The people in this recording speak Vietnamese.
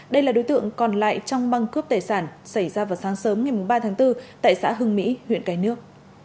đây là đối tượng còn lại trong băng cướp tài sản xảy ra vào sáng sớm ngày ba tháng bốn tại xã hưng mỹ huyện cái nước